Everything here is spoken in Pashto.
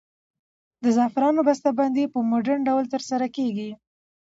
د زعفرانو بسته بندي په مډرن ډول ترسره کیږي.